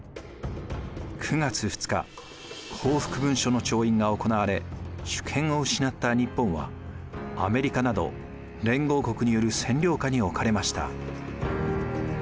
９月２日降伏文書の調印が行われ主権を失った日本はアメリカなど連合国による占領下におかれました。